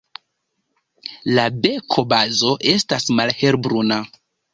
La bekobazo estas malhelbruna.